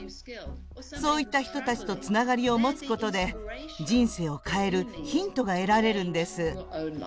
そういった人たちとつながりを持つことで人生を変えるヒントが得られるんです。